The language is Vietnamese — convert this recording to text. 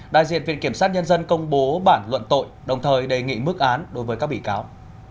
đại diện viện kiểm sát nhân dân công bố bản luận tội đồng thời đề nghị mức án đối với các bị cáo